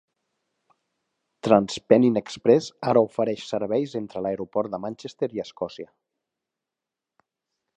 TransPennine Express ara ofereix serveis entre l'aeroport de Manchester i Escòcia.